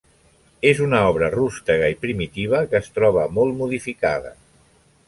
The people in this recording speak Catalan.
És una obra rústega i primitiva que es troba molt modificada.